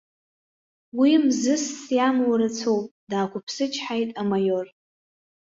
Уи мзызс иамоу рацәоуп, даақәыԥсычҳаит амаиор.